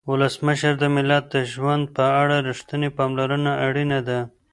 ولسمشره د ملت د ژوند په اړه رښتینې پاملرنه اړینه ده.